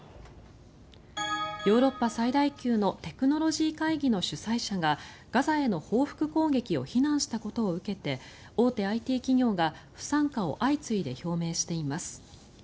ヨーロッパ最大級のテクノロジー会議の主催者がガザへの報復攻撃を非難したことを受けて大手ＩＴ企業が不参加を相次いで表明しています。